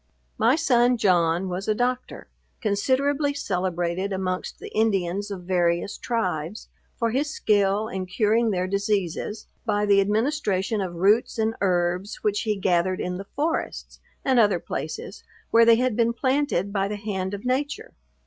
My son John, was a doctor, considerably celebrated amongst the Indians of various tribes, for his skill in curing their diseases, by the administration of roots and herbs, which he gathered in the forests, and other places where they had been planted by the hand of nature.